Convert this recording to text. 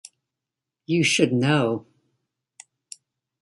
You should know.